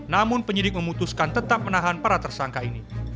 namun penyidik memutuskan tetap menahan para tersangka ini